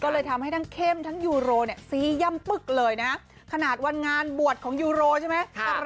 ก็เลยทำให้ทั้งเข้มทั้งยูโรเนี่ยซีย่ำปึ๊กเลยนะขนาดวันงานบวชของยูโรใช่ไหม